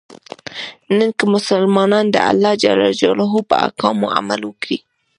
نن که مسلمانان د الله ج په احکامو عمل وکړي.